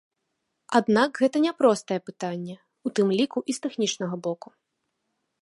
Аднак гэта няпростае пытанне, у тым ліку і з тэхнічнага боку.